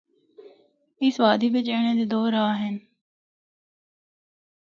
اس وادی بچ اینڑا دے دو راہ ہن۔